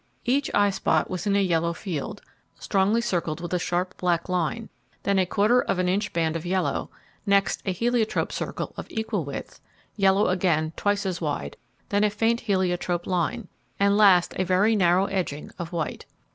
Each eye spot was in a yellow field, strongly circled with a sharp black line; then a quarter of an inch band of yellow; next a heliotrope circle of equal width; yellow again twice as wide; then a faint heliotrope line; and last a very narrow edging of white.